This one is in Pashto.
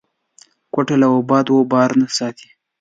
کوټه له باد و بارانه ساتي.